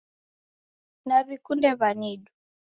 Naw'ikunde w'anidu